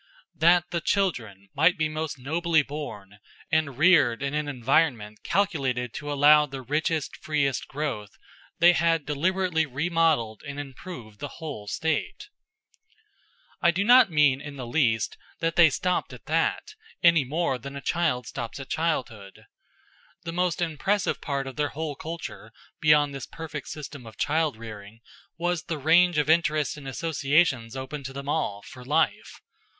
That the children might be most nobly born, and reared in an environment calculated to allow the richest, freest growth, they had deliberately remodeled and improved the whole state. I do not mean in the least that they stopped at that, any more than a child stops at childhood. The most impressive part of their whole culture beyond this perfect system of child rearing was the range of interests and associations open to them all, for life.